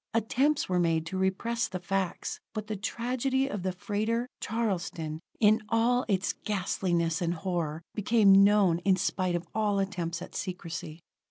Attempts were made to repress the facts: but the tragedy of the freighter, Charleston, in all its ghastliness and horror, became known in spite of all attempts at secrecy.